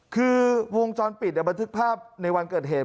คือวงจรปิดบันทึกภาพในวันเกิดเหตุ